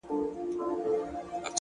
علم د ذهن ځواک دی,